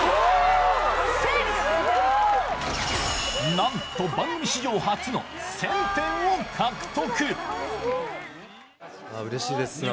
なんと、番組史上初の１０００点を獲得。